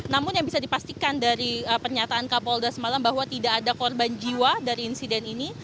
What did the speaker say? namun yang bisa dipastikan dari pernyataan kapolda semalam bahwa tidak ada korban jiwa dari insiden ini